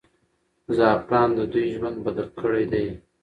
زعفران د دوی ژوند بدل کړی دی.